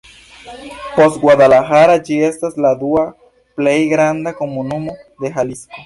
Post Guadalajara ĝi estas la dua plej granda komunumo de Jalisco.